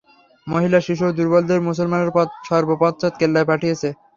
মহিলা, শিশু ও দুর্বলদেরকে মুসলমানরা সর্বপশ্চাৎ কেল্লায় পাঠিয়েছে।